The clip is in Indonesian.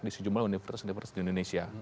di sejumlah universitas universitas di indonesia